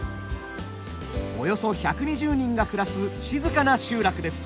およそ１２０人が暮らす静かな集落です。